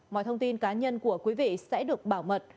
mọi thông tin cá nhân của quý vị sẽ được bảo mật